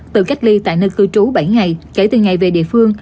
tự cách ly tại nơi cư trú bảy ngày kể từ ngày về địa phương